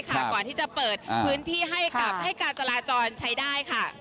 ก่อนที่จะเปิดพื้นที่ให้กับให้การจราจรใช้ได้ค่ะ